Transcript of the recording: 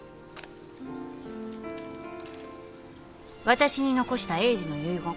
私に残した栄治の遺言。